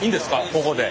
ここで。